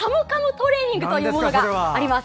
トレーニングというものがあります。